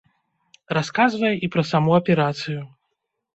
Расказвае і пра саму аперацыю.